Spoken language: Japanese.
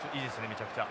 めちゃくちゃ。